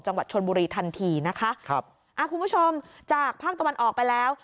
จังหวัดชนบุรีทันทีนะคะครับอ่าคุณผู้ชมจากภาคตะวันออกไปแล้ว